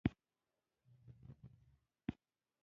ډېری پښتانه د خپلې ژبې پر ځای نورې ژبې کاروي.